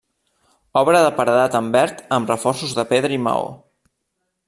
Obra de paredat en verd amb reforços de pedra i maó.